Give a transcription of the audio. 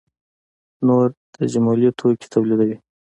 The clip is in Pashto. نور تجملي توکي تولیدوي.